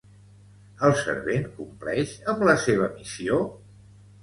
El servent compleix amb la seva missió?